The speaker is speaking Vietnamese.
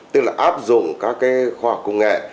tức là áp dụng các khoa học công nghệ